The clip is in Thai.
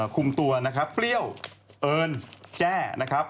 คุมตัวนะครับเปรี้ยวเอิญแจ้นะครับ